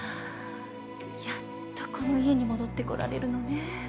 やっとこの家に戻ってこられるのね。